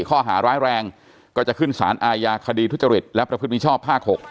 ข้อหาร้ายแรงก็จะขึ้นสารอาญาคดีทุจริตและประพฤติมิชอบภาค๖